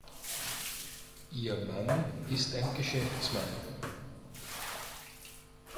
Ihr Mann ist ein Geschäftsmann.